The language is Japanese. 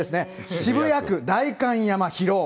渋谷区代官山、広尾。